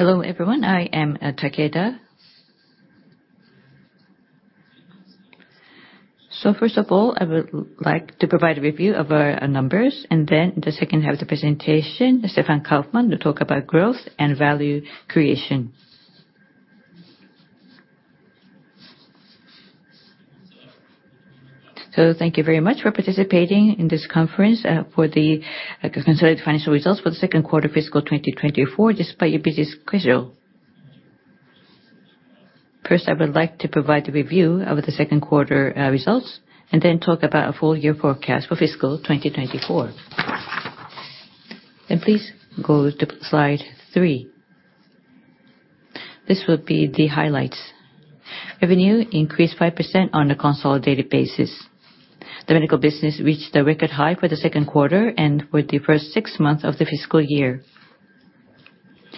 Hello, everyone. I am, Takeda. So first of all, I would like to provide a review of our numbers, and then in the second half of the presentation, Stefan Kaufmann will talk about growth and value creation. So thank you very much for participating in this conference for the consolidated financial results for the Q2 of fiscal 2024, despite your busy schedule. First, I would like to provide a review of the Q2 results, and then talk about a full year forecast for fiscal 2024. Please go to slide 3. This will be the highlights. Revenue increased 5% on a consolidated basis. The medical business reached a record high for the Q2 and for the first six months of the fiscal year.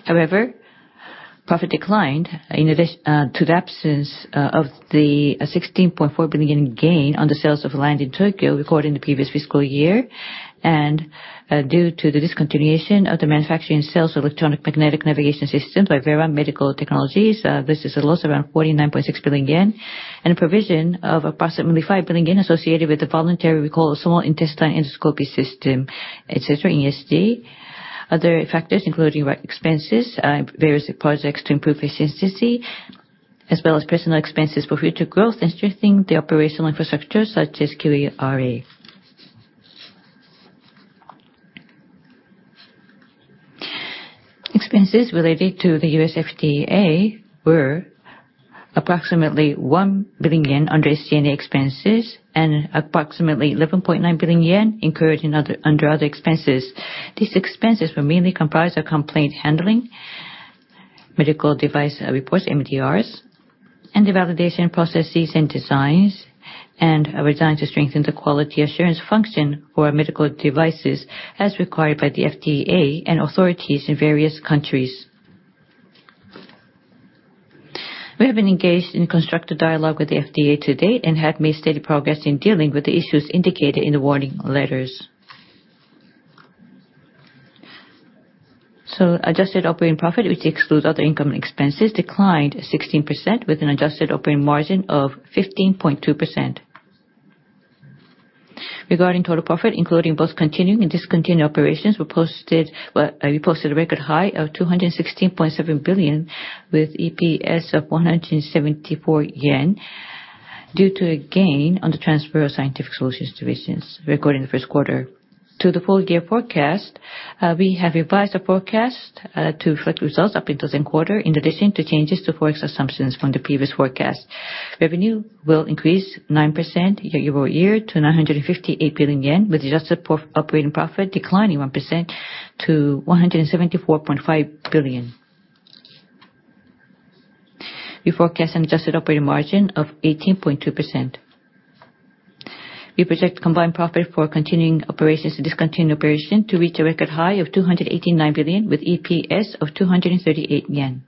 However, profit declined in addition to the absence of the 16.4 billion gain on the sales of land in Tokyo recorded in the previous fiscal year, and due to the discontinuation of the manufacturing sales electromagnetic navigation systems by Veran Medical Technologies. This is a loss around 49.6 billion yen, and a provision of approximately 5 billion yen associated with the voluntary recall of small intestine endoscopy system, etc., ESD. Other factors, including expenses, various projects to improve efficiency, as well as personal expenses for future growth and strengthening the operational infrastructure, such as QA/RA. Expenses related to the U.S. FDA were approximately 1 billion yen under SG&A expenses and approximately 11.9 billion yen incurred in other under other expenses. These expenses were mainly comprised of complaint handling, medical device reports, MDRs, and the validation processes and designs, and are designed to strengthen the quality assurance function for medical devices, as required by the FDA and authorities in various countries. We have been engaged in constructive dialogue with the FDA to date and have made steady progress in dealing with the issues indicated in the warning letters. Adjusted operating profit, which excludes other income expenses, declined 16% with an adjusted operating margin of 15.2%. Regarding total profit, including both continuing and discontinued operations, we posted, well, we posted a record high of 216.7 billion, with EPS of 174 yen, due to a gain on the transfer of scientific solutions divisions recorded in the first quarter. To the full year forecast, we have revised the forecast to reflect results up until the Q2, in addition to changes to Forex assumptions from the previous forecast. Revenue will increase 9% year-over-year to 958 billion yen, with adjusted operating profit declining 1% to 174.5 billion. We forecast an adjusted operating margin of 18.2%. We project combined profit for continuing operations and discontinued operation to reach a record high of 289 billion, with EPS of 238 yen.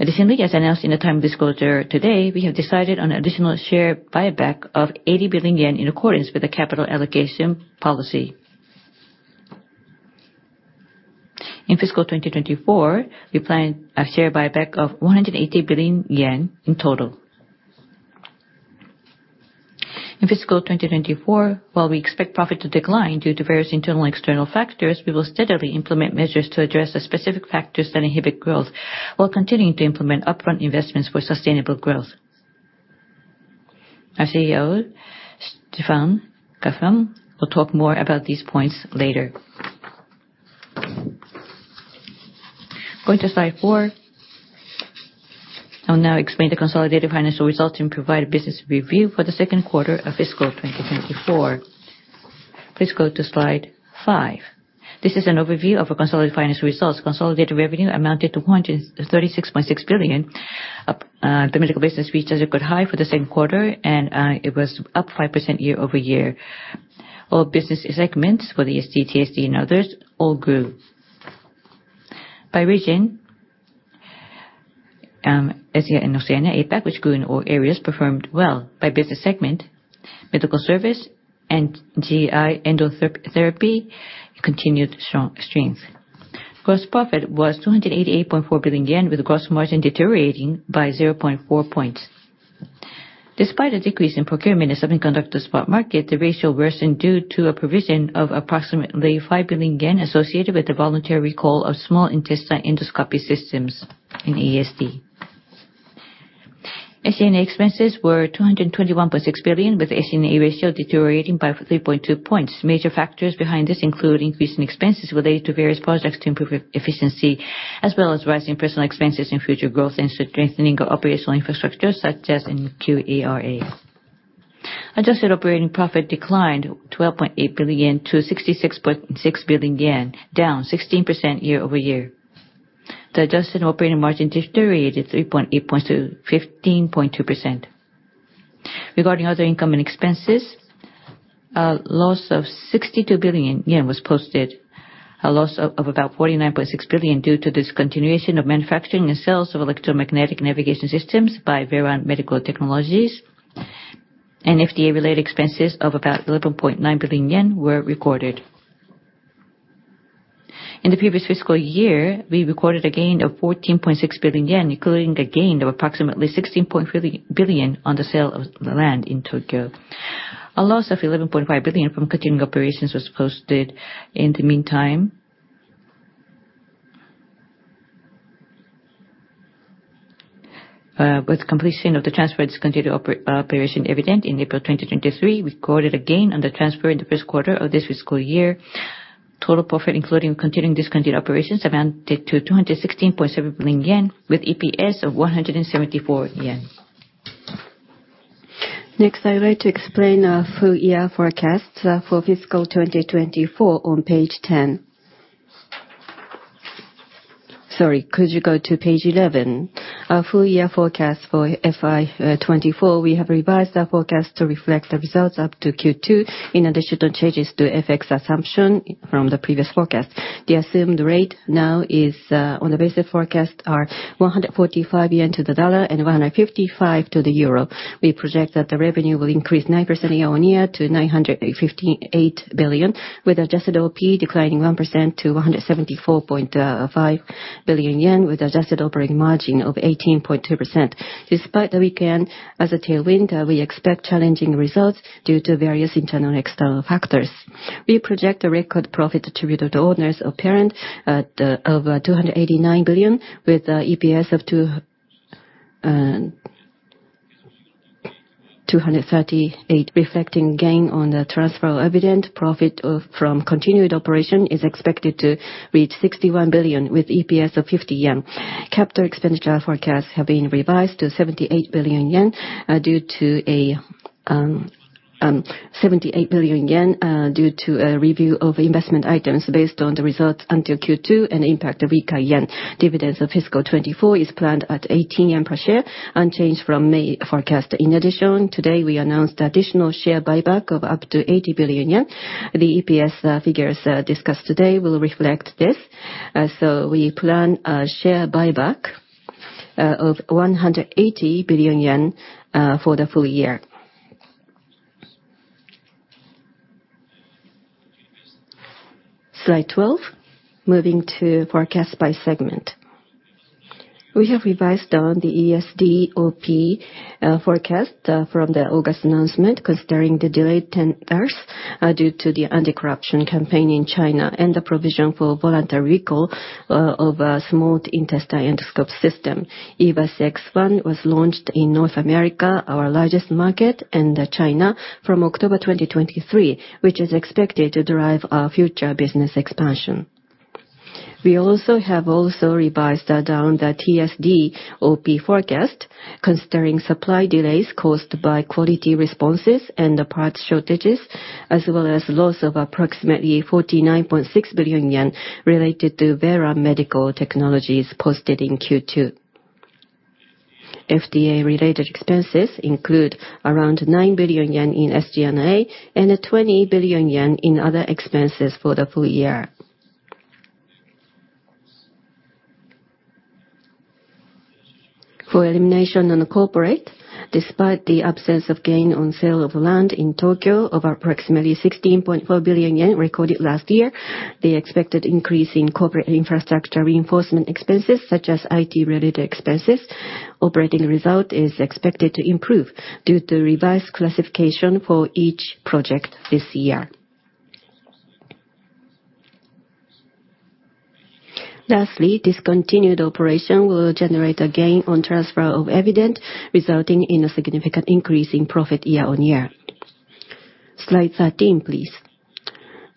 Additionally, as announced in the timely disclosure today, we have decided on additional share buyback of 80 billion yen in accordance with the capital allocation policy. In fiscal 2024, we plan a share buyback of 180 billion yen in total. In fiscal 2024, while we expect profit to decline due to various internal and external factors, we will steadily implement measures to address the specific factors that inhibit growth, while continuing to implement upfront investments for sustainable growth. Our CEO, Stefan Kaufmann, will talk more about these points later. Going to slide 4. I'll now explain the consolidated financial results and provide a business review for the Q2 of fiscal 2024. Please go to slide 5. This is an overview of our consolidated financial results. Consolidated revenue amounted to 136.6 billion. The medical business reached a record high for the Q2, and it was up 5% year-over-year. All business segments for the ESD, TSD and others all grew. By region, Asia and Oceania, APAC, which grew in all areas, performed well by business segment. Medical service and GI endotherapy continued strong strength. Gross profit was 288.4 billion yen, with gross margin deteriorating by 0.4 points. Despite a decrease in procurement and semiconductor spot market, the ratio worsened due to a provision of approximately 5 billion yen associated with the voluntary recall of small intestine endoscopy systems in ESD. SG&A expenses were 221.6 billion, with SG&A ratio deteriorating by 3.2 points. Major factors behind this include increasing expenses related to various projects to improve efficiency, as well as rising personal expenses in future growth and strengthening our operational infrastructure, such as in QA/RA. Adjusted operating profit declined 12.8 billion to 66.6 billion yen, down 16% year-over-year. The adjusted operating margin deteriorated 3.8 points to 15.2%. Regarding other income and expenses, a loss of 62 billion yen was posted, a loss of about 49.6 billion due to discontinuation of manufacturing and sales of electromagnetic navigation systems by Veran Medical Technologies. An FDA related expenses of about 11.9 billion yen were recorded. In the previous fiscal year, we recorded a gain of 14.6 billion yen, including a gain of approximately 16 billion on the sale of the land in Tokyo. A loss of 11.5 billion from continuing operations was posted in the meantime. With completion of the transferred discontinued operation Evident in April 2023, we recorded a gain on the transfer in the first quarter of this fiscal year. Total profit, including continuing discontinued operations, amounted to 216.7 billion yen, with EPS of 174 yen. Next, I'd like to explain our full year forecasts for fiscal 2024 on page ten. Sorry, could you go to page eleven? Our full year forecast for FY 2024, we have revised our forecast to reflect the results up to Q2, in addition to changes to FX assumption from the previous forecast. The assumed rate now is, on the basic forecast, are 145 yen to the dollar and 155 to the euro. We project that the revenue will increase 9% year-on-year to 958 billion, with adjusted OP declining 1% to 174.5 billion yen, with adjusted operating margin of 18.2%. Despite the weak yen as a tailwind, we expect challenging results due to various internal and external factors. We project a record profit attributed to owners of parent at over 289 billion, with EPS of 238. Reflecting gain on the transfer of Evident, profit from continued operations is expected to reach 61 billion, with EPS of 50 yen. Capital expenditure forecasts have been revised to 78 billion yen due to a review of investment items based on the results until Q2 and impact of weaker yen. Dividends of fiscal 2024 is planned at 18 yen per share, unchanged from May forecast. In addition, today, we announced additional share buyback of up to 80 billion yen. The EPS figures discussed today will reflect this. So we plan a share buyback of 180 billion yen for the full year. Slide 12, moving to forecast by segment. We have revised down the ESD OP forecast from the August announcement, considering the delayed tenders due to the anti-corruption campaign in China, and the provision for voluntary recall of a small intestine endoscope system. EVIS X1 was launched in North America, our largest market, and China from October 2023, which is expected to drive our future business expansion. We also have also revised down the TSD OP forecast, considering supply delays caused by quality responses and the parts shortages, as well as loss of approximately 49.6 billion yen related to Veran Medical Technologies posted in Q2. FDA related expenses include around 9 billion yen in SG&A and 20 billion yen in other expenses for the full year. For elimination on the corporate, despite the absence of gain on sale of land in Tokyo of approximately 16.4 billion yen recorded last year, the expected increase in corporate infrastructure reinforcement expenses, such as IT-related expenses, operating result is expected to improve due to revised classification for each project this year. Lastly, discontinued operation will generate a gain on transfer of Evident, resulting in a significant increase in profit year-on-year. Slide 13, please.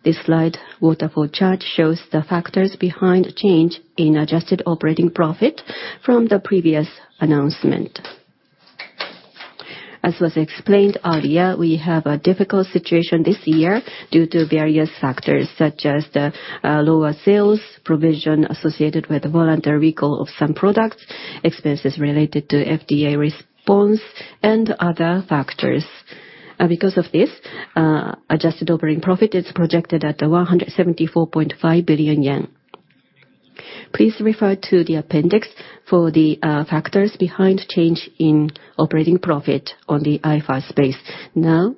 This slide waterfall chart shows the factors behind change in adjusted operating profit from the previous announcement. As was explained earlier, we have a difficult situation this year due to various factors, such as the lower sales, provision associated with voluntary recall of some products, expenses related to FDA response, and other factors. Because of this, adjusted operating profit is projected at 174.5 billion yen. Please refer to the appendix for the factors behind change in operating profit on the IFRS basis. Now,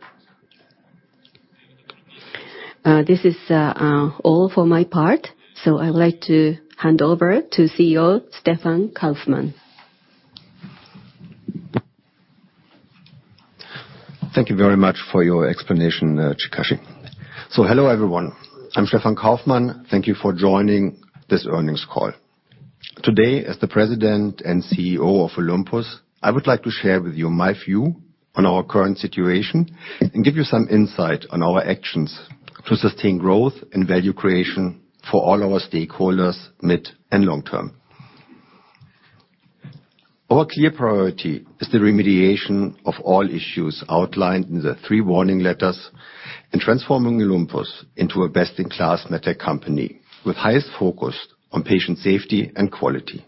this is all for my part, so I would like to hand over to CEO Stefan Kaufmann. Thank you very much for your explanation, Chikashi. So hello, everyone. I'm Stefan Kaufmann. Thank you for joining this earnings call. Today, as the President and CEO of Olympus, I would like to share with you my view on our current situation and give you some insight on our actions to sustain growth and value creation for all our stakeholders mid and long term. Our clear priority is the remediation of all issues outlined in the three warning letters, and transforming Olympus into a best-in-class MedTech company with highest focus on patient safety and quality.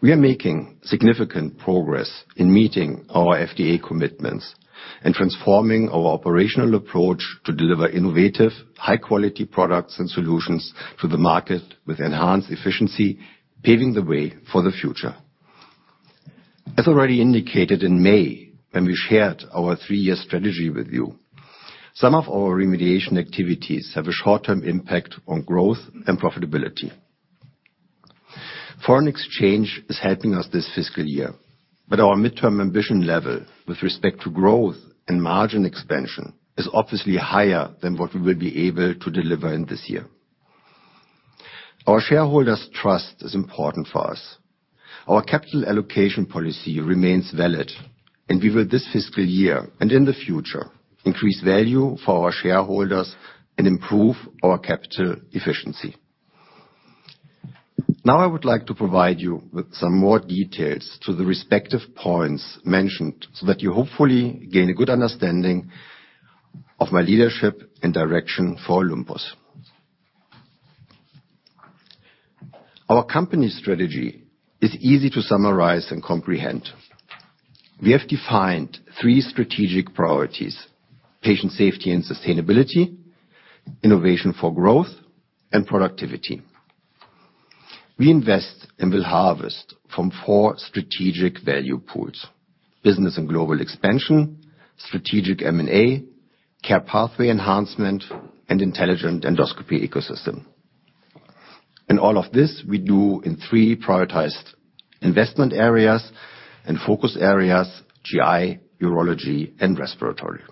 We are making significant progress in meeting our FDA commitments and transforming our operational approach to deliver innovative, high-quality products and solutions to the market with enhanced efficiency, paving the way for the future. As already indicated in May, when we shared our three-year strategy with you, some of our remediation activities have a short-term impact on growth and profitability. Foreign exchange is helping us this fiscal year, but our midterm ambition level with respect to growth and margin expansion is obviously higher than what we will be able to deliver in this year. Our shareholders' trust is important for us. Our capital allocation policy remains valid, and we will, this fiscal year and in the future, increase value for our shareholders and improve our capital efficiency. Now, I would like to provide you with some more details to the respective points mentioned, so that you hopefully gain a good understanding of my leadership and direction for Olympus. Our company strategy is easy to summarize and comprehend. We have defined three strategic priorities: patient safety and sustainability, innovation for growth, and productivity. We invest and will harvest from four strategic value pools: business and global expansion, strategic M&A, care pathway enhancement, and intelligent endoscopy ecosystem. All of this we do in three prioritized investment areas and focus areas: GI, urology, and respiratory.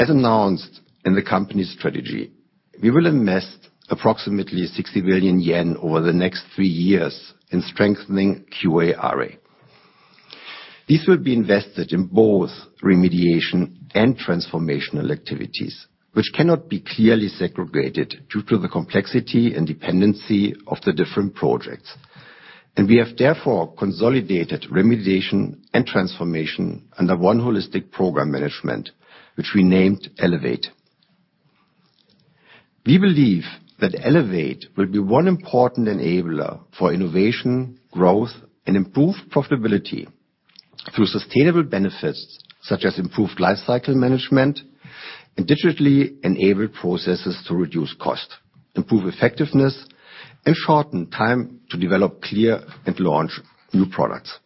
As announced in the company's strategy, we will invest approximately 60 billion yen over the next three years in strengthening QA/RA. This will be invested in both remediation and transformational activities, which cannot be clearly segregated due to the complexity and dependency of the different projects. We have therefore consolidated remediation and transformation under one holistic program management, which we named Elevate. We believe that Elevate will be one important enabler for innovation, growth, and improved profitability through sustainable benefits, such as improved life cycle management and digitally enabled processes to reduce cost, improve effectiveness, and shorten time to develop clear and launch new products.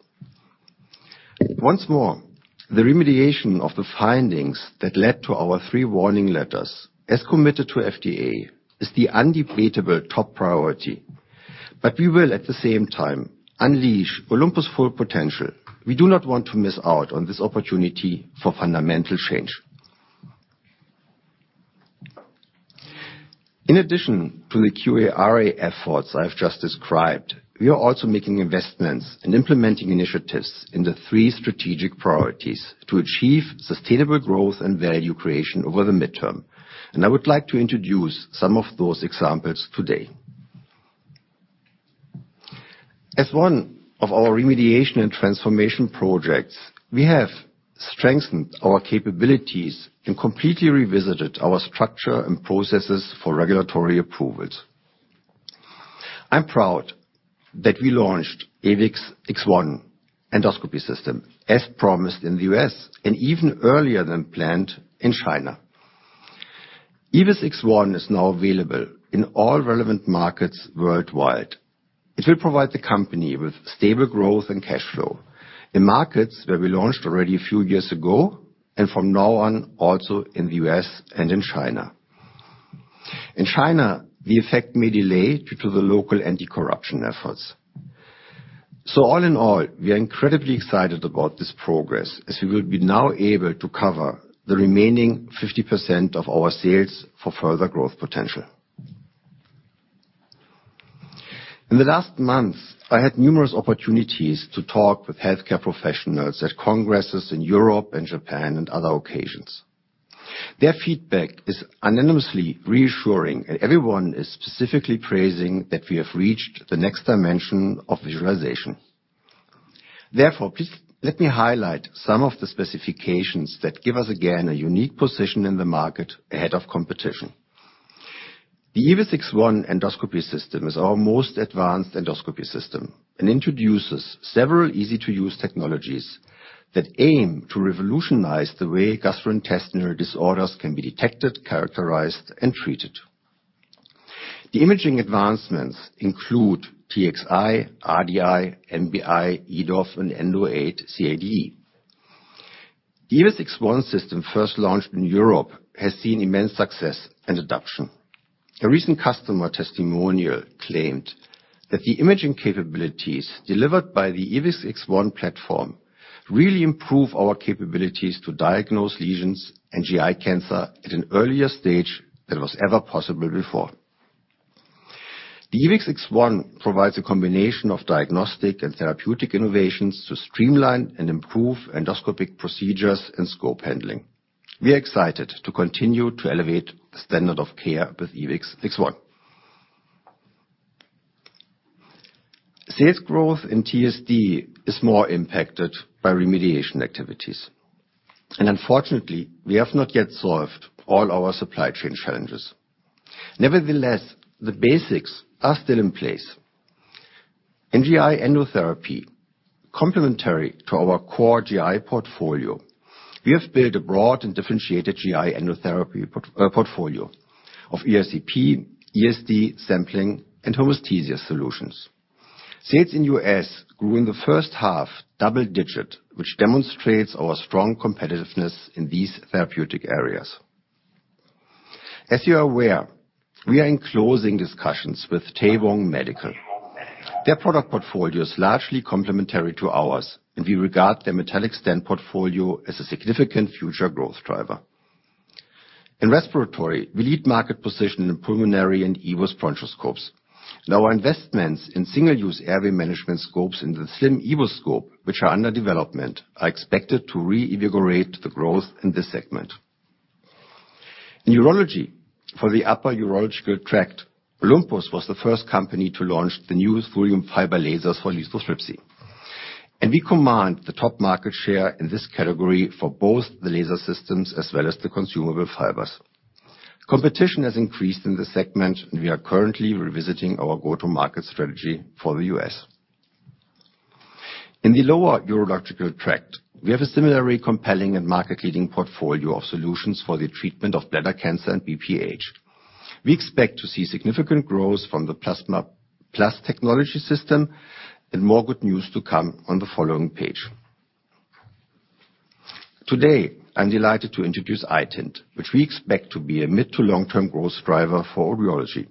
Once more, the remediation of the findings that led to our three warning letters, as committed to FDA, is the undebatable top priority, but we will, at the same time, unleash Olympus' full potential. We do not want to miss out on this opportunity for fundamental change. In addition to the QA/RA efforts I've just described, we are also making investments and implementing initiatives in the three strategic priorities to achieve sustainable growth and value creation over the midterm, and I would like to introduce some of those examples today. As one of our remediation and transformation projects, we have strengthened our capabilities and completely revisited our structure and processes for regulatory approvals. I'm proud that we launched EVIS X1 endoscopy system, as promised in the U.S., and even earlier than planned in China. EVIS X1 is now available in all relevant markets worldwide. It will provide the company with stable growth and cash flow in markets where we launched already a few years ago, and from now on, also in the U.S. and in China. In China, the effect may delay due to the local anti-corruption efforts. So all in all, we are incredibly excited about this progress, as we will be now able to cover the remaining 50% of our sales for further growth potential. In the last month, I had numerous opportunities to talk with healthcare professionals at congresses in Europe and Japan, and other occasions. Their feedback is unanimously reassuring, and everyone is specifically praising that we have reached the next dimension of visualization. Therefore, please let me highlight some of the specifications that give us, again, a unique position in the market ahead of competition. The EVIS X1 endoscopy system is our most advanced endoscopy system, and introduces several easy-to-use technologies that aim to revolutionize the way gastrointestinal disorders can be detected, characterized, and treated. The imaging advancements include TXI, RDI, NBI, EDOF, and ENDO-AID CADe. The EVIS X1 system, first launched in Europe, has seen immense success and adoption. A recent customer testimonial claimed that, "The imaging capabilities delivered by the EVIS X1 platform really improve our capabilities to diagnose lesions and GI cancer at an earlier stage than was ever possible before." The EVIS X1 provides a combination of diagnostic and therapeutic innovations to streamline and improve endoscopic procedures and scope handling. We are excited to continue to elevate the standard of care with EVIS X1. Sales growth in TSD is more impacted by remediation activities, and unfortunately, we have not yet solved all our supply chain challenges. Nevertheless, the basics are still in place. In GI endotherapy, complementary to our core GI portfolio. We have built a broad and differentiated GI endotherapy port, portfolio of ERCP, ESD sampling, and hemostasis solutions. Sales in U.S. grew in the first half double-digit, which demonstrates our strong competitiveness in these therapeutic areas. As you are aware, we are in closing discussions with Taewoong Medical. Their product portfolio is largely complementary to ours, and we regard their metallic stent portfolio as a significant future growth driver. In respiratory, we lead market position in pulmonary and EVIS bronchoscopes. Now, our investments in single-use airway management scopes in the slim EVIS scope, which are under development, are expected to reinvigorate the growth in this segment. In urology, for the upper urological tract, Olympus was the first company to launch the newest Thulium fiber lasers for lithotripsy, and we command the top market share in this category for both the laser systems as well as the consumable fibers. Competition has increased in this segment, and we are currently revisiting our go-to-market strategy for the US. In the lower urological tract, we have a similarly compelling and market-leading portfolio of solutions for the treatment of bladder cancer and BPH. We expect to see significant growth from the Plasma+ technology system and more good news to come on the following page. Today, I'm delighted to introduce iTind, which we expect to be a mid to long-term growth driver for urology.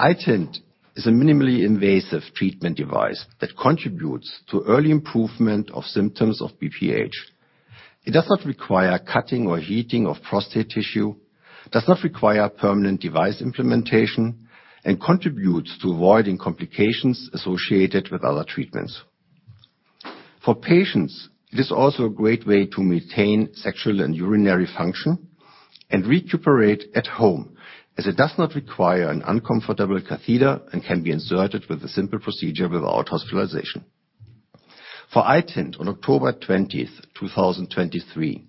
iTind is a minimally invasive treatment device that contributes to early improvement of symptoms of BPH. It does not require cutting or heating of prostate tissue, does not require permanent device implementation, and contributes to avoiding complications associated with other treatments. For patients, it is also a great way to maintain sexual and urinary function and recuperate at home, as it does not require an uncomfortable catheter and can be inserted with a simple procedure without hospitalization. For iTind, on October 20, 2023,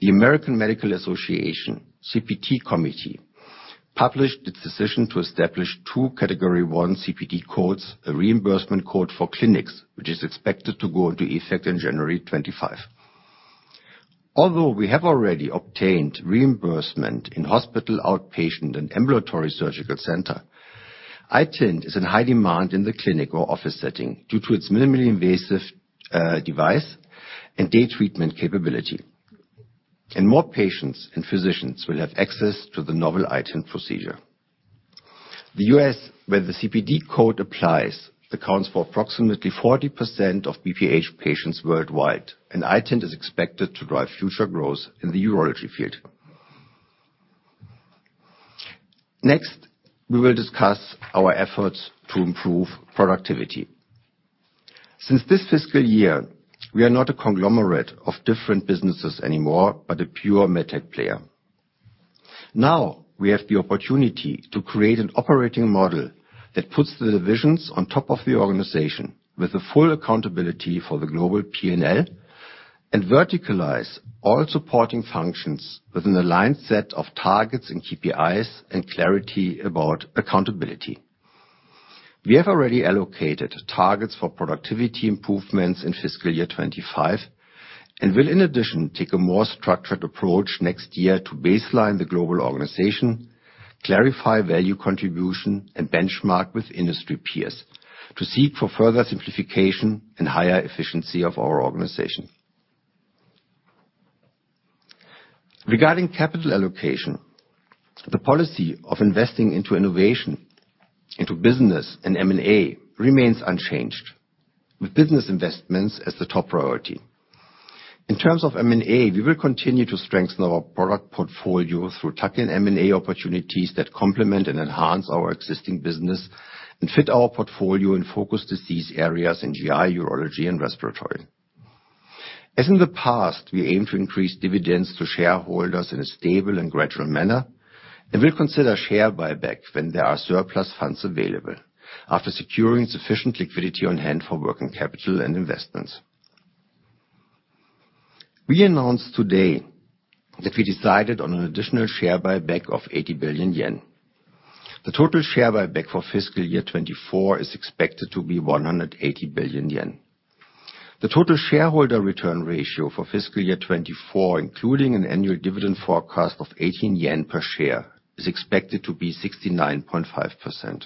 the American Medical Association, CPT Committee, published its decision to establish 2 category one CPT codes, a reimbursement code for clinics, which is expected to go into effect in January 2025. Although we have already obtained reimbursement in hospital, outpatient, and ambulatory surgical center, iTind is in high demand in the clinic or office setting due to its minimally invasive, device and day treatment capability. More patients and physicians will have access to the novel iTind procedure. The U.S., where the CPT code applies, accounts for approximately 40% of BPH patients worldwide, and iTind is expected to drive future growth in the urology field. Next, we will discuss our efforts to improve productivity. Since this fiscal year, we are not a conglomerate of different businesses anymore, but a pure MedTech player. Now, we have the opportunity to create an operating model that puts the divisions on top of the organization, with a full accountability for the global P&L, and verticalize all supporting functions within the line set of targets and KPIs and clarity about accountability. We have already allocated targets for productivity improvements in fiscal year 2025, and will, in addition, take a more structured approach next year to baseline the global organization, clarify value contribution, and benchmark with industry peers to seek for further simplification and higher efficiency of our organization. Regarding capital allocation, the policy of investing into innovation, into business and M&A remains unchanged, with business investments as the top priority. In terms of M&A, we will continue to strengthen our product portfolio through tuck-in M&A opportunities that complement and enhance our existing business, and fit our portfolio in focus disease areas in GI, urology, and respiratory. As in the past, we aim to increase dividends to shareholders in a stable and gradual manner, and we'll consider share buyback when there are surplus funds available, after securing sufficient liquidity on hand for working capital and investments. We announced today that we decided on an additional share buyback of 80 billion yen. The total share buyback for fiscal year 2024 is expected to be 180 billion yen. The total shareholder return ratio for fiscal year 2024, including an annual dividend forecast of 18 yen per share, is expected to be 69.5%.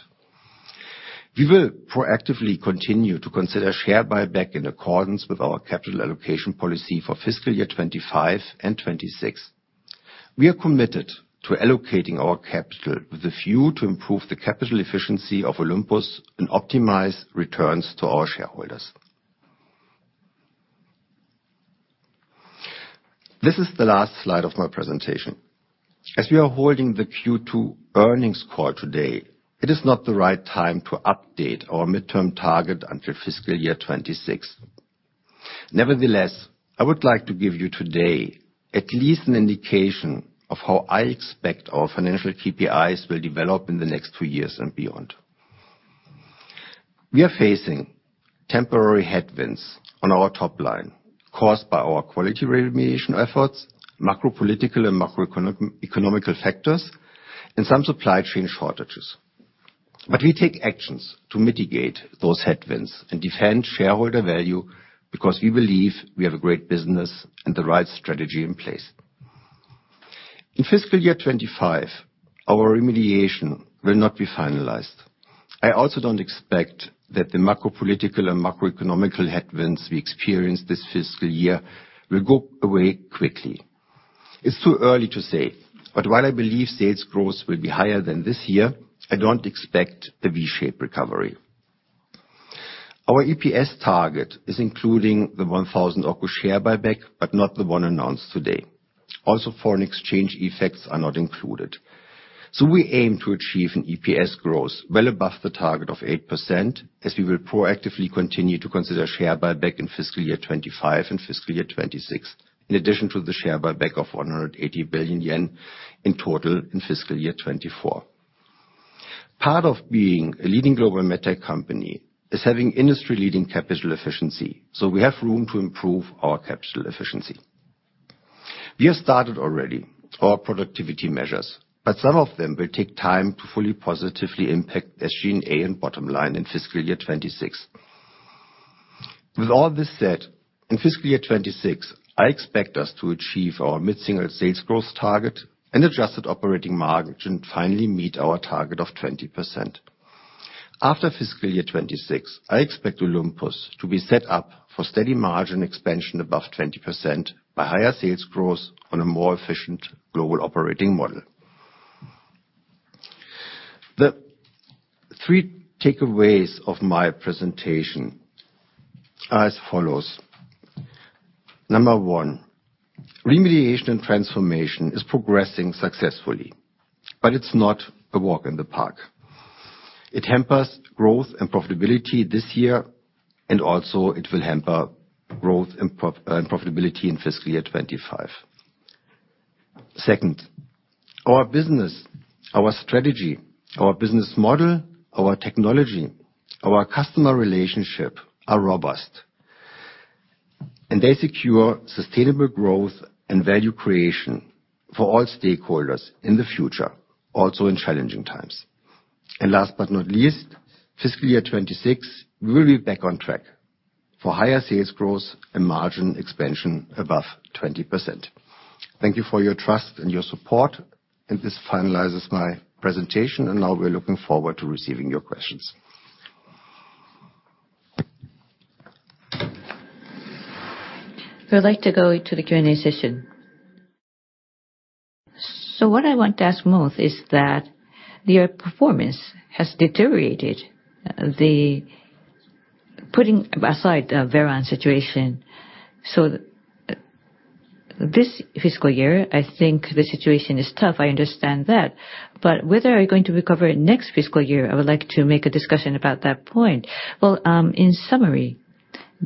We will proactively continue to consider share buyback in accordance with our capital allocation policy for fiscal year 2025 and 2026. We are committed to allocating our capital with a view to improve the capital efficiency of Olympus and optimize returns to our shareholders. This is the last slide of my presentation. As we are holding the Q2 earnings call today, it is not the right time to update our midterm target until fiscal year 2026. Nevertheless, I would like to give you today at least an indication of how I expect our financial KPIs will develop in the next two years and beyond. We are facing temporary headwinds on our top line, caused by our quality remediation efforts, macro political and macroeconomic factors, and some supply chain shortages. But we take actions to mitigate those headwinds and defend shareholder value, because we believe we have a great business and the right strategy in place. In fiscal year 2025, our remediation will not be finalized. I also don't expect that the macro political and macroeconomic headwinds we experience this fiscal year will go away quickly. It's too early to say, but while I believe sales growth will be higher than this year, I don't expect a V-shaped recovery. Our EPS target is including the 1,000 share buyback, but not the one announced today. Also, foreign exchange effects are not included. So we aim to achieve an EPS growth well above the target of 8%, as we will proactively continue to consider share buyback in fiscal year 2025 and fiscal year 2026, in addition to the share buyback of 180 billion yen in total in fiscal year 2024. Part of being a leading global med tech company is having industry-leading capital efficiency, so we have room to improve our capital efficiency. We have started already our productivity measures, but some of them will take time to fully, positively impact SG&A and bottom line in fiscal year 2026. With all this said, in fiscal year 2026, I expect us to achieve our mid-single sales growth target and adjusted operating margin, and finally meet our target of 20%. After fiscal year 26, I expect Olympus to be set up for steady margin expansion above 20%, by higher sales growth on a more efficient global operating model. The three takeaways of my presentation are as follows: Number 1, remediation and transformation is progressing successfully, but it's not a walk in the park. It hampers growth and profitability this year, and also it will hamper growth and profitability in fiscal year 2025. Second, our business, our strategy, our business model, our technology, our customer relationship are robust, and they secure sustainable growth and value creation for all stakeholders in the future, also in challenging times. And last but not least, fiscal year 2026, we will be back on track for higher sales growth and margin expansion above 20%. Thank you for your trust and your support, and this finalizes my presentation, and now we're looking forward to receiving your questions. We would like to go to the Q&A session. What I want to ask both is that your performance has deteriorated. Putting aside the Veran situation, this fiscal year, I think the situation is tough. I understand that, but whether you're going to recover next fiscal year, I would like to make a discussion about that point. Well, in summary,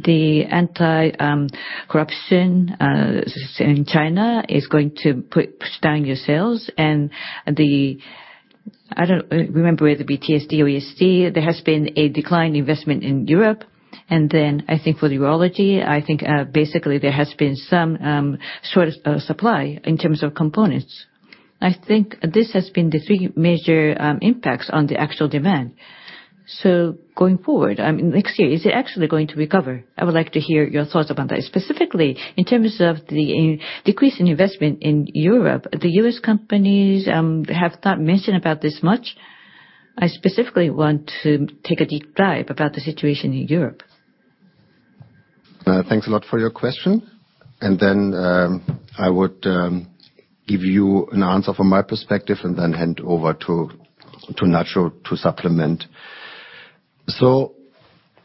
the anti-corruption, say, in China is going to push down your sales and the... I don't remember whether it TSD or ESD, there has been a decline in investment in Europe, and then for the urology, basically there has been some sort of supply in terms of components. This has been the three major impacts on the actual demand. Going forward, I mean, next year, is it actually going to recover? I would like to hear your thoughts about that. Specifically, in terms of the decrease in investment in Europe. The U.S. companies have not mentioned about this much. I specifically want to take a deep dive about the situation in Europe. Thanks a lot for your question, and then I would give you an answer from my perspective and then hand over to Nacho to supplement.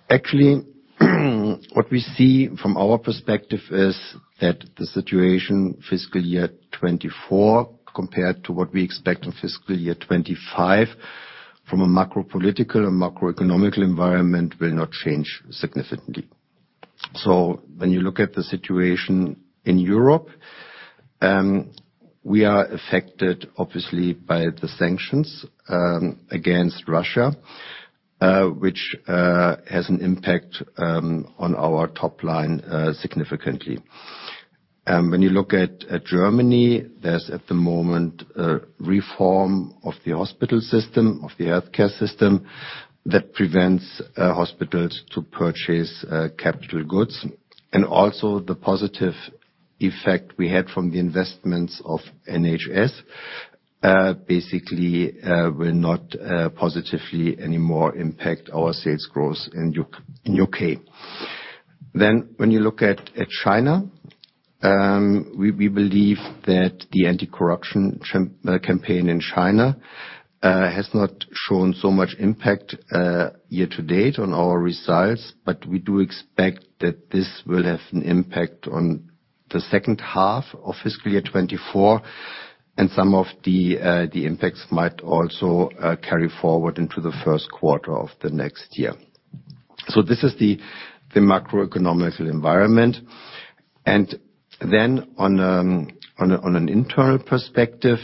Actually, what we see from our perspective is that the situation fiscal year 2024, compared to what we expect in fiscal year 2025, from a macro political and macro economical environment, will not change significantly. When you look at the situation in Europe, we are affected obviously by the sanctions against Russia, which has an impact on our top line significantly. When you look at Germany, there's at the moment a reform of the hospital system, of the healthcare system, that prevents hospitals to purchase capital goods. Also the positive effect we had from the investments of NHS, basically, will not positively anymore impact our sales growth in U.K. When you look at China, we believe that the anti-corruption campaign in China has not shown so much impact year to date on our results, but we do expect that this will have an impact on the second half of fiscal year 2024, and some of the impacts might also carry forward into the first quarter of the next year. This is the macroeconomic environment. Then, on an internal perspective,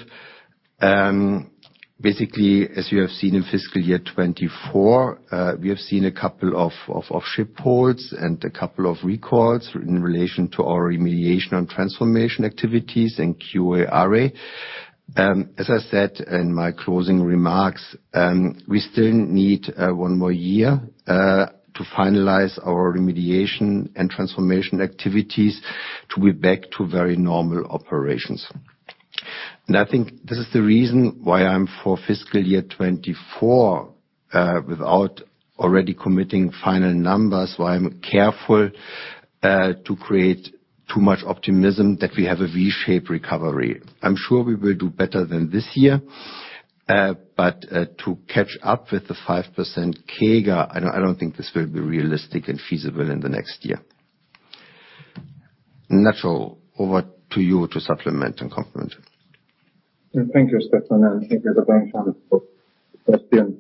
basically, as you have seen in fiscal year 2024, we have seen a couple of ship holds and a couple of recalls in relation to our remediation and transformation activities and QA/RA. As I said in my closing remarks, we still need one more year to finalize our remediation and transformation activities to be back to very normal operations. I think this is the reason why I'm, for fiscal year 2024, without already committing final numbers, why I'm careful to create too much optimism that we have a V-shaped recovery. I'm sure we will do better than this year, but to catch up with the 5% CAGR, I don't, I don't think this will be realistic and feasible in the next year. Nacho, over to you to supplement and complement. Thank you, Stefan, and thank you, everyone, for the question.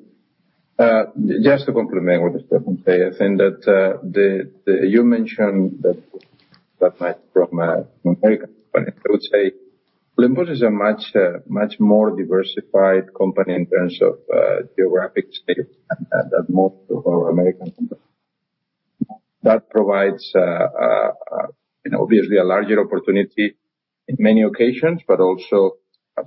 Just to complement what Stefan says, I think that you mentioned that from American company, I would say Olympus is a much more diversified company in terms of geographic scale and most of our American companies. That provides you know, obviously a larger opportunity in many occasions, but also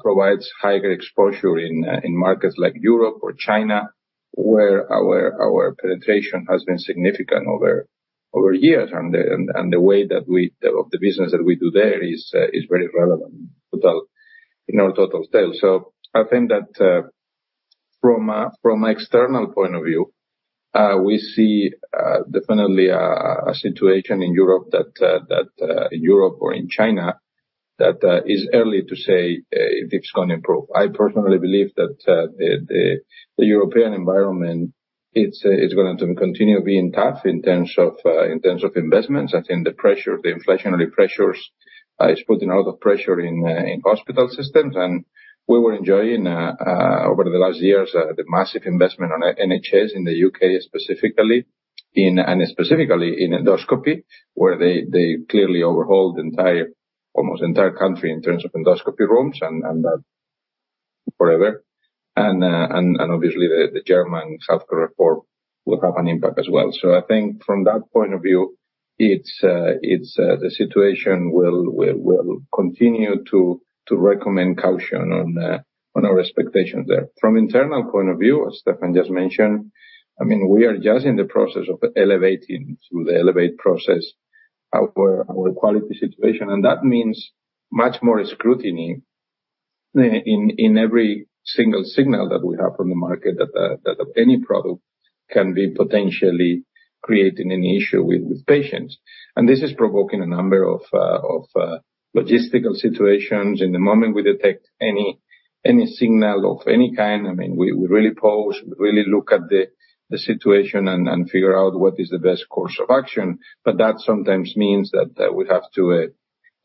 provides higher exposure in markets like Europe or China, where our penetration has been significant over years, and the way that we do the business that we do there is very relevant to the in our total sales. That from an external point of view we see definitely a situation in Europe that in Europe or in China is early to say if it's going to improve. I personally believe that the European environment it's going to continue being tough in terms of investments. I think the pressure, the inflationary pressures is putting a lot of pressure in hospital systems, and we were enjoying over the last years the massive investment on NHS in the UK, specifically in endoscopy, where they clearly overhauled the entire, almost entire country in terms of endoscopy rooms and that, whatever. Obviously, the German healthcare reform will have an impact as well. From that point of view, it's the situation will continue to recommend caution on our expectations there. From internal point of view, as Stefan just mentioned, I mean, we are just in the process of elevating, through the elevate process, our quality situation, and that means much more scrutiny in every single signal that we have from the market, that any product can be potentially creating an issue with patients. This is provoking a number of logistical situations. In the moment we detect any signal of any kind, I mean, we really pause, really look at the situation and figure out what is the best course of action. That sometimes means that we have to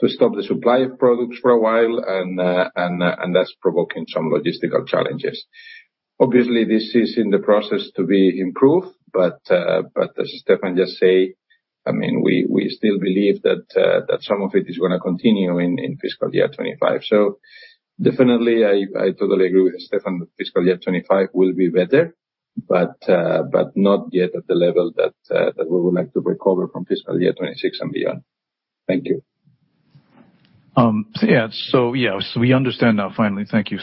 stop the supply of products for a while, and that's provoking some logistical challenges. Obviously, this is in the process to be improved, but as Stefan just say, I mean, we still believe that some of it is gonna continue in fiscal year 2025. Definitely, I totally agree with Stefan, that fiscal year 2025 will be better, but not yet at the level that we would like to recover from fiscal year 2026 and beyond. Thank you. Yeah. So, yeah, so we understand now, finally. Thank you.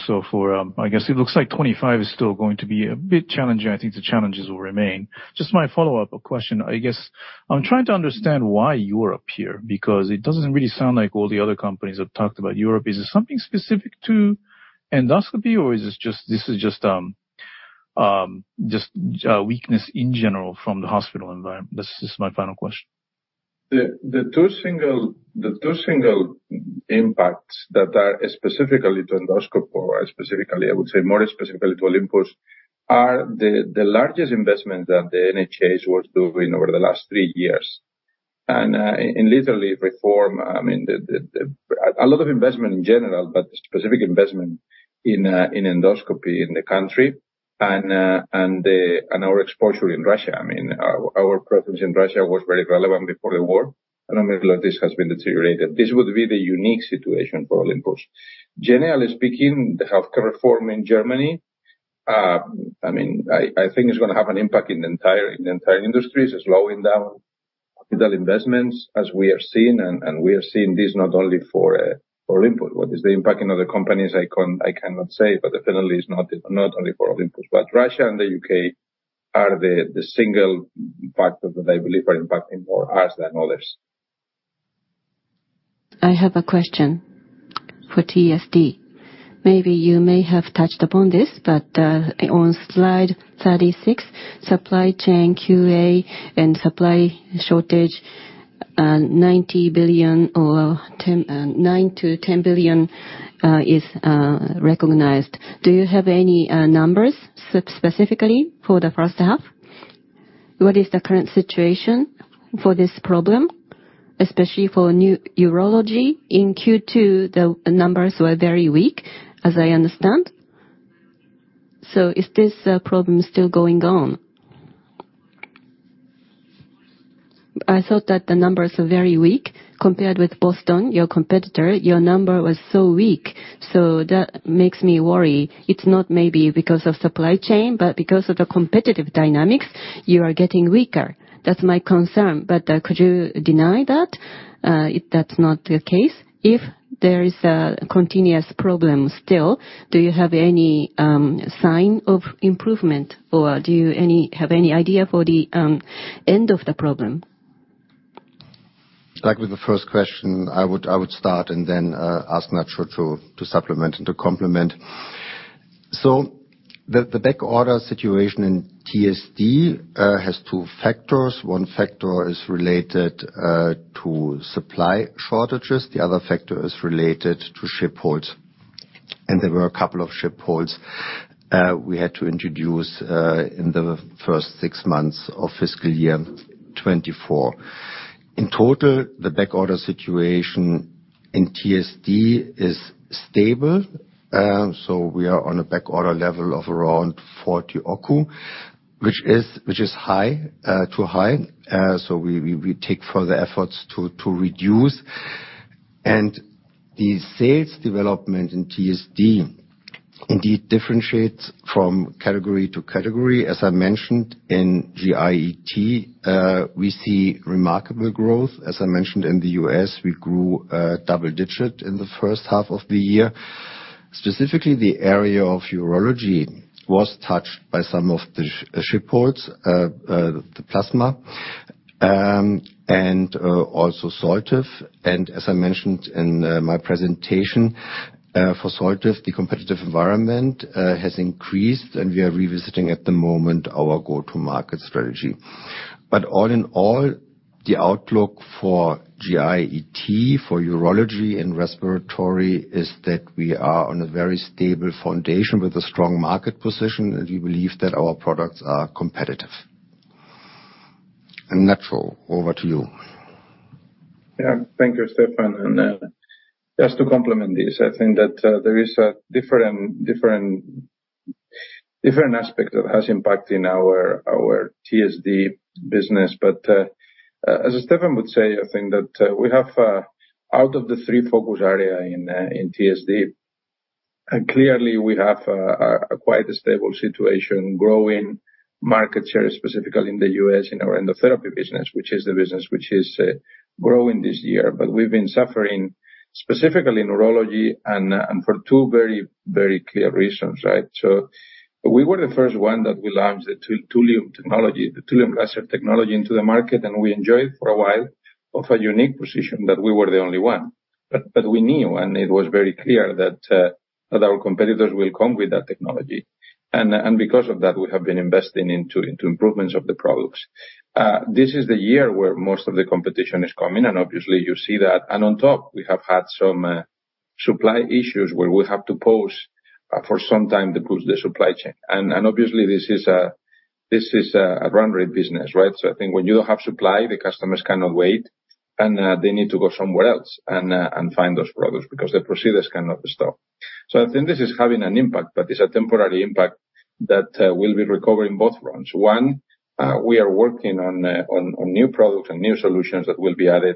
I guess it looks like 25 is still going to be a bit challenging. I think the challenges will remain. Just my follow-up question, I guess. I'm trying to understand why you are up here, because it doesn't really sound like all the other companies have talked about Europe. Is it something specific to endoscopy, or is this just, this is just, weakness in general from the hospital environment? This is my final question. The two single impacts that are specifically to endoscopy, or specifically, I would say more specifically to Olympus, are the largest investment that the NHS was doing over the last three years. And in literally reform, I mean, a lot of investment in general, but specific investment in endoscopy in the country and our exposure in Russia. I mean, our presence in Russia was very relevant before the war, and a lot of this has been deteriorated. This would be the unique situation for Olympus. Generally speaking, the healthcare reform in Germany, I think it's gonna have an impact in the entire industry. It's slowing down digital investments, as we are seeing, and we are seeing this not only for Olympus. What is the impact in other companies? I cannot say, but definitely it's not only for Olympus, but Russia and the UK are the single factor that I believe are impacting us more than others. I have a question for TSD. Maybe you may have touched upon this, but, on slide 36, supply chain QA and supply shortage, 90 billion or 10 billion, 9 billion-10 billion, is recognized. Do you have any numbers specifically for the first half? What is the current situation for this problem, especially for new urology? In Q2, the numbers were very weak, as I understand. So is this problem still going on? I thought that the numbers are very weak compared with Boston, your competitor. Your number was so weak, so that makes me worry. It's not maybe because of supply chain, but because of the competitive dynamics, you are getting weaker. That's my concern. Could you deny that, if that's not the case? If there is a continuous problem still, do you have any sign of improvement, or do you have any idea for the end of the problem? Like with the first question, I would start and then ask Nacho to supplement and to complement. So the backorder situation in TSD has two factors. One factor is related to supply shortages, the other factor is related to ship holds. There were a couple of ship holds we had to introduce in the first six months of fiscal year 2024. In total, the backorder situation in TSD is stable. We are on a backorder level of around 4 billion, which is high, too high, so we take further efforts to reduce. And the sales development in TSD indeed differentiates from category to category. As I mentioned, in GIET, we see remarkable growth. As I mentioned, in the US, we grew double-digit in the first half of the year. Specifically, the area of urology was touched by some of the ship holds, the Plasma, and also Soltive, and as I mentioned in my presentation, for Soltive, the competitive environment has increased, and we are revisiting, at the moment, our go-to-market strategy. All in all, the outlook for GIET, for urology and respiratory, is that we are on a very stable foundation with a strong market position, and we believe that our products are competitive. Nacho, over to you. Yeah. Thank you, Stefan. Just to complement this, I think that there is a different aspect that has impact in our TSD business. As Stefan would say, I think that we have out of the three focus area in TSD, clearly we have a quite a stable situation, growing market share, specifically in the U.S., in our endotherapy business, which is the business which is growing this year. We've been suffering, specifically in urology, and for two very, very clear reasons, right? We were the first one that we launched the two, Thulium technology, the Thulium Laser technology into the market, and we enjoyed it for a while, of a unique position that we were the only one. We knew, and it was very clear that our competitors will come with that technology. Because of that, we have been investing into improvements of the products. This is the year where most of the competition is coming, and obviously you see that. And on top, we have had some supply issues where we have to pause for some time to push the supply chain. And obviously this is a run rate business, right? I think when you don't have supply, the customers cannot wait, and they need to go somewhere else and find those products, because the procedures cannot stop. I think this is having an impact, but it's a temporary impact that we'll be recovering both rounds. One, we are working on new products and new solutions that will be added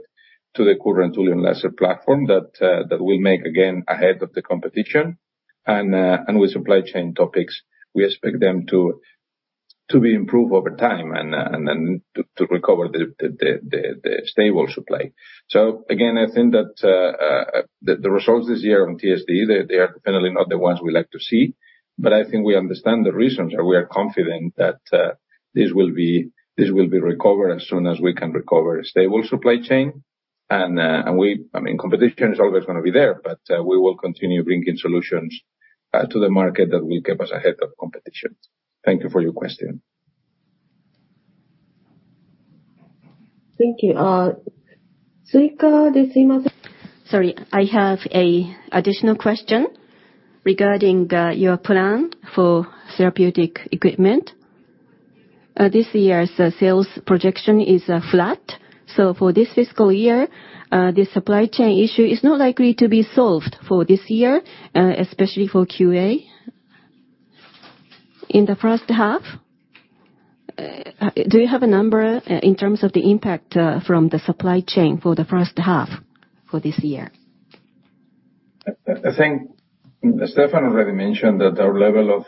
to the current Thulium Laser platform, that will make again ahead of the competition. With supply chain topics, we expect them to be improved over time and then to recover the stable supply. Again, I think that the results this year on TSD, they are definitely not the ones we like to see, but I think we understand the reasons, and we are confident that this will be recovered as soon as we can recover a stable supply chain. We—I mean, competition is always gonna be there, but we will continue bringing solutions to the market that will keep us ahead of competition. Thank you for your question. Thank you. Sorry, I have a additional question regarding your plan for therapeutic equipment. This year's sales projection is flat, so for this fiscal year, the supply chain issue is not likely to be solved for this year, especially for QA. In the first half, do you have a number in terms of the impact from the supply chain for the first half for this year? I think Stefan already mentioned that our level of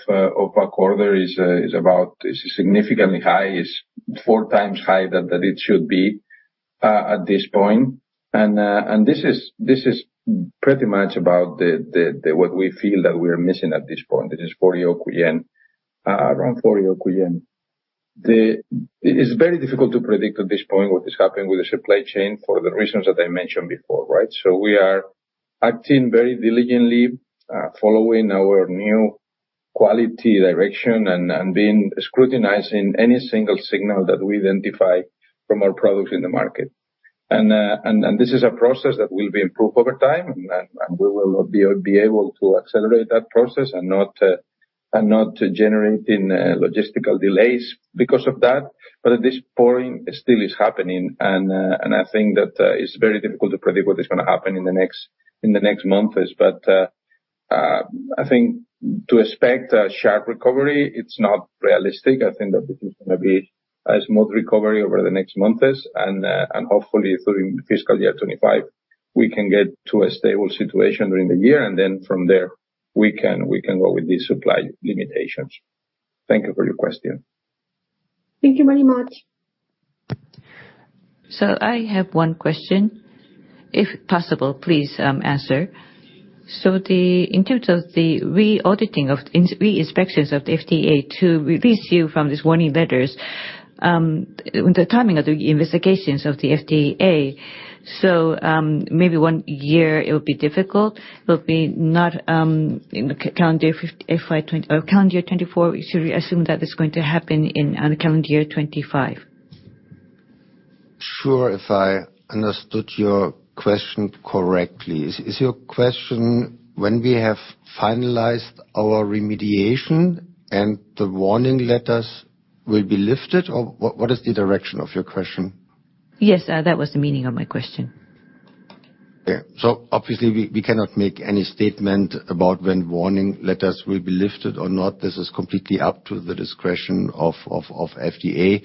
backorder is about... is significantly high. It's four times high than it should be at this point. This is pretty much about what we feel that we are missing at this point, it is 4 billion, around 4 billion. The... It is very difficult to predict at this point what is happening with the supply chain for the reasons that I mentioned before, right? We are acting very diligently following our new quality direction and being. Scrutinizing any single signal that we identify from our products in the market. This is a process that will be improved over time, and we will be able to accelerate that process and not generating logistical delays because of that, but at this point, it still is happening, and I think that it's very difficult to predict what is gonna happen in the next months. I think to expect a sharp recovery, it's not realistic. I think that it is gonna be a smooth recovery over the next months, and, and hopefully through fiscal year 2025, we can get to a stable situation during the year, and then from there, we can, we can go with these supply limitations. Thank you for your question. Thank you very much. I have one question. If possible, please, answer. In terms of the re-auditing of re-inspections of the FDA to release you from these warning letters, the timing of the investigations of the FDA, maybe one year it will be difficult, will be not, in the calendar FY 2024 or calendar year 2024, we should assume that it's going to happen in on calendar year 2025. Sure, if I understood your question correctly. Is your question when we have finalized our remediation and the warning letters will be lifted? Or what is the direction of your question? Yes, that was the meaning of my question. Yeah. So obviously, we cannot make any statement about when warning letters will be lifted or not. This is completely up to the discretion of FDA.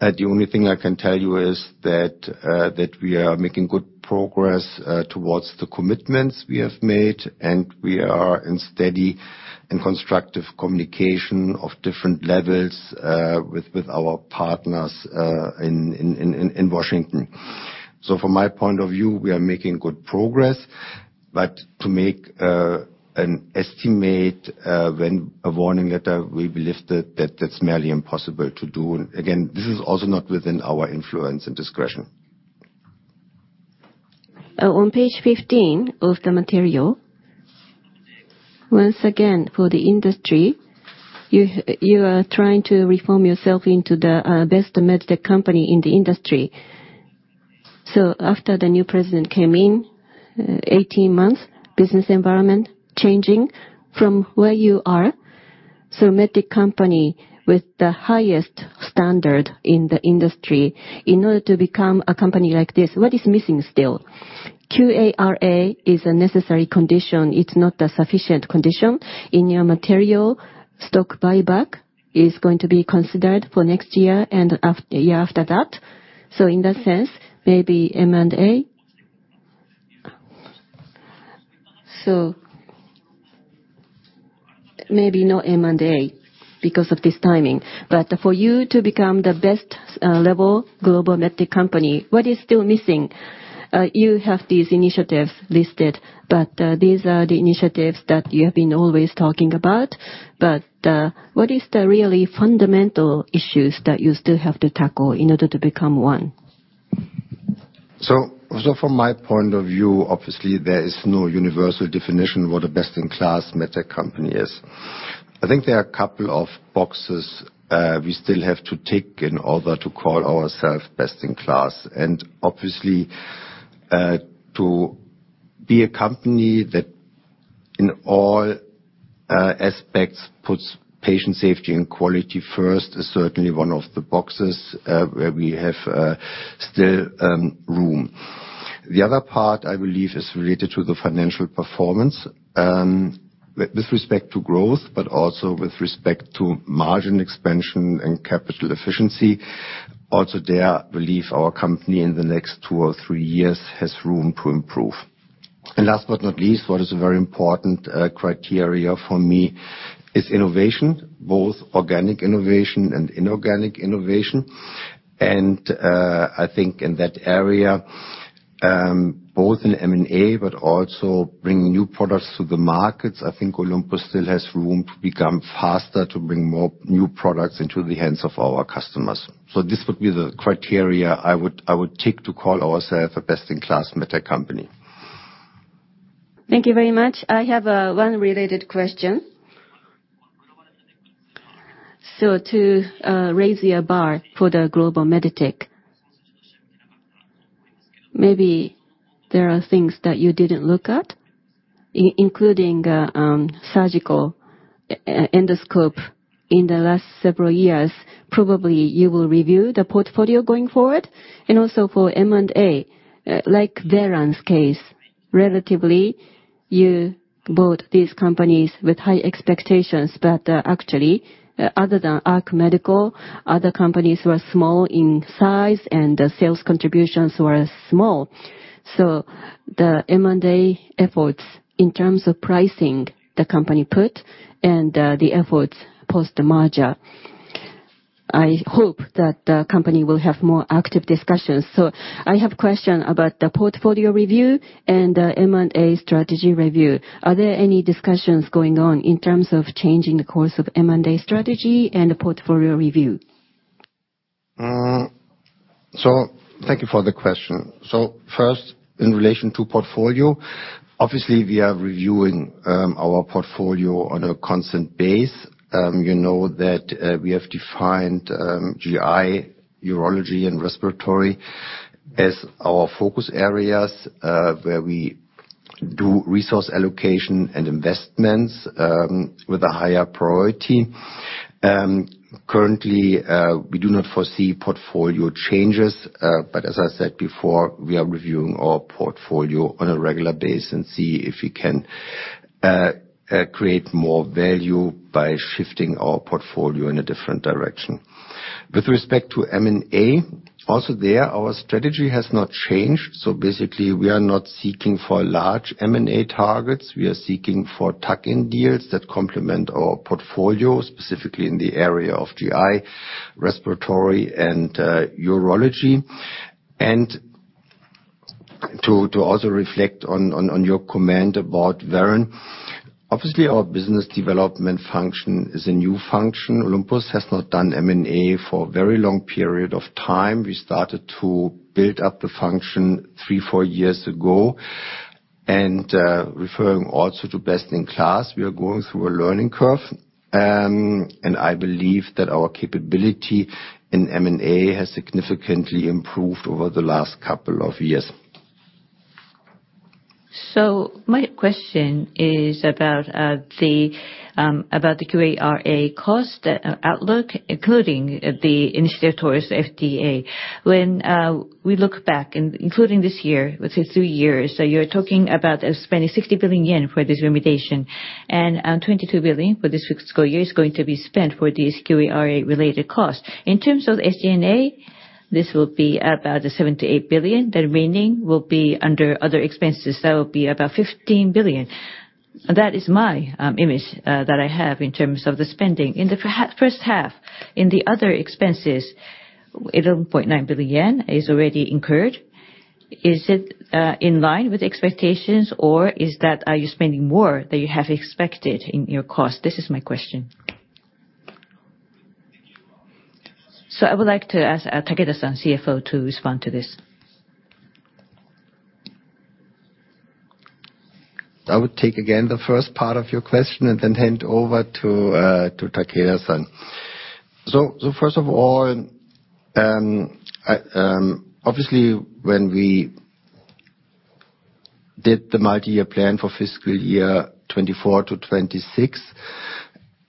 The only thing I can tell you is that we are making good progress towards the commitments we have made, and we are in steady and constructive communication of different levels with our partners in Washington. From my point of view, we are making good progress, but to make an estimate when a warning letter will be lifted, that's merely impossible to do. And again, this is also not within our influence and discretion. On page 15 of the material, once again, for the industry, you are trying to reform yourself into the best med tech company in the industry. So after the new president came in, 18 months, business environment changing from where you are, so med tech company with the highest standard in the industry. In order to become a company like this, what is missing still? QA/RA is a necessary condition, it's not a sufficient condition. In your material, stock buyback is going to be considered for next year and the year after that. So in that sense, maybe M&A. Maybe not M&A because of this timing, but for you to become the best level global med tech company, what is still missing? You have these initiatives listed, but, these are the initiatives that you have been always talking about. But, what is the really fundamental issues that you still have to tackle in order to become one? So from my point of view, obviously, there is no universal definition what a best-in-class MedTech company is. I think there are a couple of boxes we still have to tick in order to call ourselves best-in-class. Obviously, to be a company that in all aspects puts patient safety and quality first, is certainly one of the boxes where we have still room. The other part, I believe, is related to the financial performance with respect to growth, but also with respect to margin expansion and capital efficiency. Also, there, I believe our company in the next two or three years has room to improve. And last but not least, what is a very important criteria for me is innovation, both organic innovation and inorganic innovation. I think in that area, both in M&A, but also bringing new products to the markets, I think Olympus still has room to become faster, to bring more new products into the hands of our customers. This would be the criteria I would tick to call ourselves a best-in-class med tech company. Thank you very much. I have one related question. To raise your bar for the global med tech, maybe there are things that you didn't look at, including surgical endoscope in the last several years. Probably, you will review the portfolio going forward and also for M&A, like Veran's case. Relatively, you bought these companies with high expectations, but actually, other than Arc Medical, other companies were small in size and the sales contributions were small. The M&A efforts in terms of pricing the company put and the efforts post the merger, I hope that the company will have more active discussions. I have a question about the portfolio review and M&A strategy review. Are there any discussions going on in terms of changing the course of M&A strategy and the portfolio review? Thank you for the question. So first, in relation to portfolio, obviously, we are reviewing our portfolio on a constant basis. You know that we have defined GI, urology, and respiratory as our focus areas, where we do resource allocation and investments with a higher priority. Currently, we do not foresee portfolio changes, but as I said before, we are reviewing our portfolio on a regular basis and see if we can create more value by shifting our portfolio in a different direction. With respect to M&A, also there, our strategy has not changed. Basically, we are not seeking for large M&A targets. We are seeking for tuck-in deals that complement our portfolio, specifically in the area of GI, respiratory, and urology. To also reflect on your comment about Veran, obviously, our business development function is a new function. Olympus has not done M&A for a very long period of time. We started to build up the function 3-4 years ago. Referring also to best-in-class, we are going through a learning curve, and I believe that our capability in M&A has significantly improved over the last couple of years. My question is about the QARA cost outlook, including the initiatives towards FDA. When we look back, including this year, let's say two years, so you're talking about spending 60 billion yen for this remediation, and twenty-two billion for this fiscal year is going to be spent for these QARA-related costs. In terms of SG&A, this will be about 7 billion-8 billion. The remaining will be under other expenses. That will be about 15 billion. That is my image that I have in terms of the spending. In the first half, in the other expenses, 11.9 billion yen is already incurred. Is it in line with expectations, or is that, are you spending more than you have expected in your cost? This is my question. I would like to ask, Takeda-san, CFO, to respond to this. I would take again the first part of your question and then hand over to Takeda-san. First of all, I obviously, when we did the multi-year plan for fiscal year 2024 to 2026,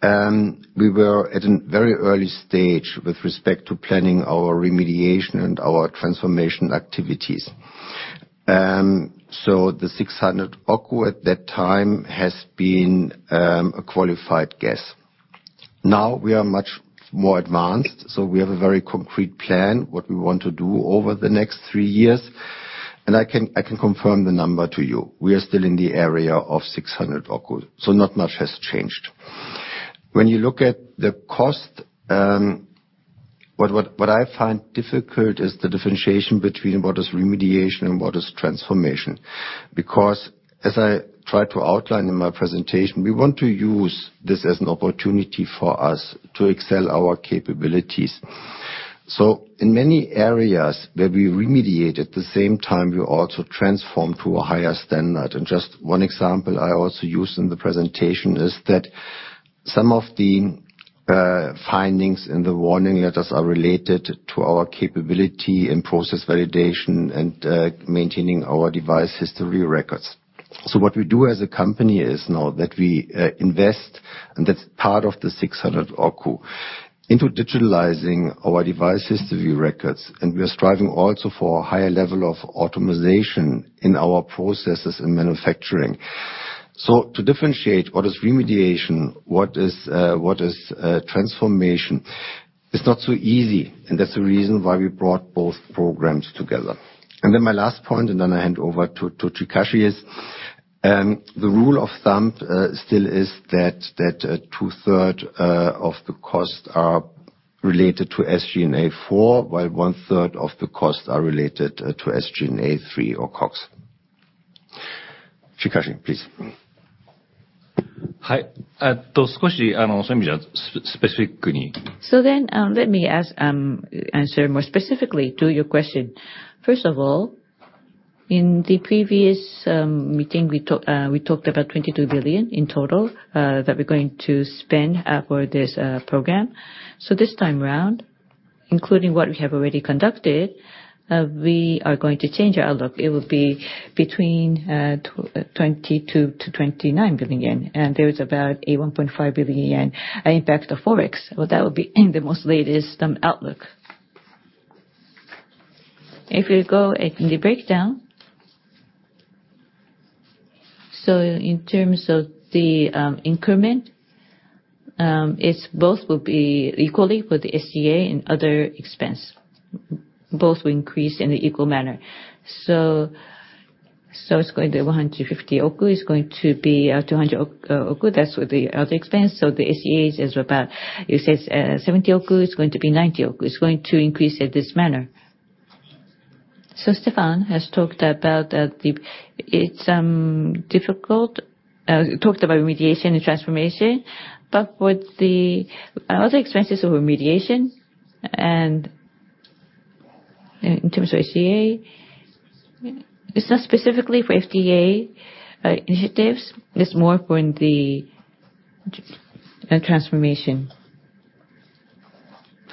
we were at a very early stage with respect to planning our remediation and our transformation activities. The 600 oku at that time has been a qualified guess. Now we are much more advanced, so we have a very concrete plan, what we want to do over the next three years, and I can confirm the number to you. We are still in the area of 600 oku, so not much has changed. When you look at the cost, what I find difficult is the differentiation between what is remediation and what is transformation. Because as I tried to outline in my presentation, we want to use this as an opportunity for us to excel our capabilities. In many areas where we remediate, at the same time, we also transform to a higher standard. One example I also used in the presentation is that some of the findings in the warning letters are related to our capability and process validation and maintaining our device history records. What we do as a company is now that we invest, and that's part of the 600 oku, into digitalizing our device history records, and we are striving also for a higher level of automation in our processes and manufacturing. So to differentiate what is remediation, what is transformation, it's not so easy, and that's the reason why we brought both programs together. Then my last point, and then I hand over to Chikashi, is the rule of thumb still is that two-thirds of the costs are related to SG&A four, while one-third of the costs are related to SG&A three or COGS. Chikashi, please. Hi. At, specifically. So then, let me ask, answer more specifically to your question. First of all, in the previous meeting, we talked about 22 billion in total that we're going to spend for this program. So this time around, including what we have already conducted, we are going to change our outlook. It will be between 22 billion-29 billion yen, and there is about a 1.5 billion yen impact of Forex. Well, that will be in the most latest outlook. If you go in the breakdown? In terms of the increment, it's both will be equally for the SG&A and other expense. Both will increase in the equal manner. So it's going to 150 oku. It's going to be 200 oku. That's with the other expense, so the SG&A is about, it says, 70 oku is going to be 90 oku. It's going to increase in this manner. So Stefan has talked about that the... It's difficult, talked about remediation and transformation, but with the other expenses of remediation and in terms of SG&A, it's not specifically for FDA initiatives. It's more for the transformation.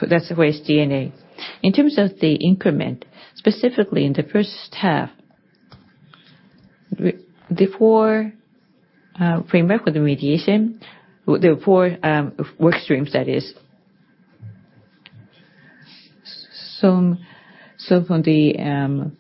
So that's the way SG&A. In terms of the increment, specifically in the first half-... We- the four framework of the remediation, with the four work streams that is. From the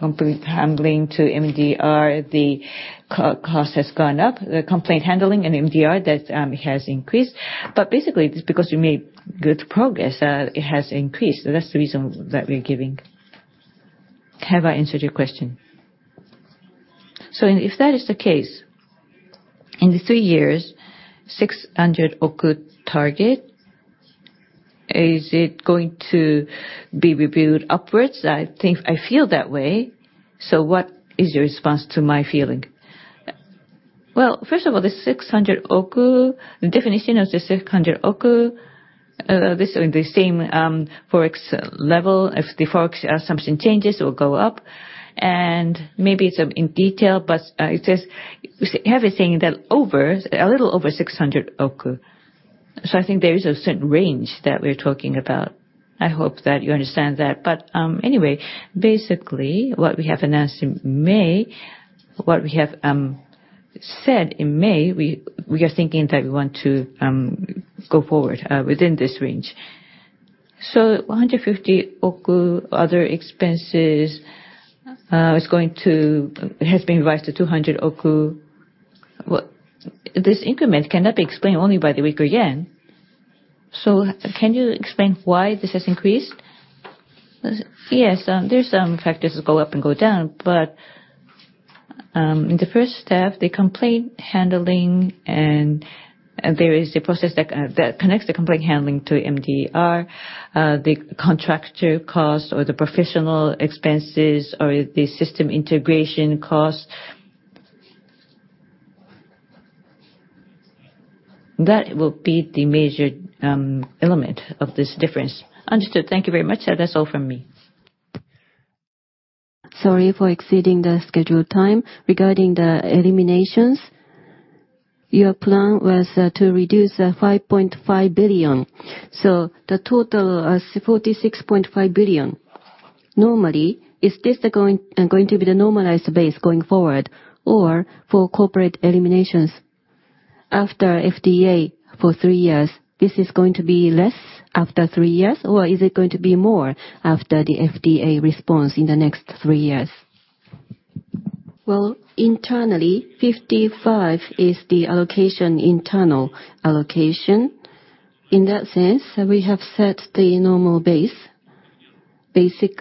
complaint handling to MDR, the cost has gone up. The complaint handling and MDR, that has increased. But basically, it's because we made good progress, it has increased. That's the reason that we're giving. Have I answered your question? So if that is the case, in the three years, 600 oku target, is it going to be reviewed upwards? I think I feel that way, so what is your response to my feeling? Well, first of all, the 600 oku, the definition of the 600 oku, this is the same, Forex level. If the Forex assumption changes, it will go up. And maybe it's, in detail, but, it says, everything that over, a little over 600 oku. I think there is a certain range that we're talking about. I hope that you understand that. Anyway, basically, what we have announced in May, what we have, said in May, we, we are thinking that we want to, go forward, within this range. 150 oku, other expenses, is going to has been revised to 200 oku. This increment cannot be explained only by the weaker yen. So can you explain why this has increased? Yes, there are some factors that go up and go down. But in the first step, the complaint handling, and there is a process that connects the complaint handling to MDR, the contractor cost or the professional expenses or the system integration cost. That will be the major element of this difference. Understood. Thank you very much. That's all from me. Sorry for exceeding the scheduled time. Regarding the eliminations, your plan was to reduce 5.5 billion. So the total is 46.5 billion. Normally, is this the going going to be the normalized base going forward, or for corporate eliminations after FDA for three years, this is going to be less after three years, or is it going to be more after the FDA response in the next three years? Well, internally, 55 is the allocation, internal allocation. In that sense, we have set the normal base. Basically-